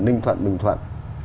ninh thuận bình thuận